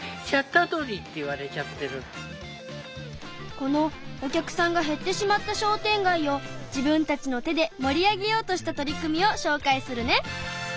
このお客さんが減ってしまった商店街を自分たちの手でもり上げようとした取り組みをしょうかいするね。